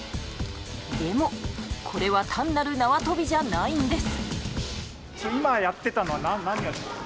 でもこれは単なる縄跳びじゃないんです！